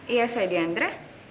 iya saya diandra